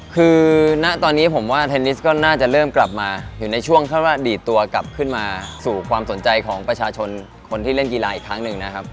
คือณตอนนี้ผมว่าเทนนิสก็น่าจะเริ่มกลับมาอยู่ในช่วงถ้าว่าดีดตัวกลับขึ้นมาสู่ความสนใจของประชาชนคนที่เล่นกีฬาอีกครั้งหนึ่งนะครับ